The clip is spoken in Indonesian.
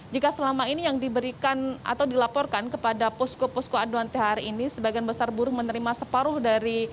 jika selama ini yang diberikan atau dilaporkan kepada posko posko aduan thr ini sebagian besar buruh menerima separuh dari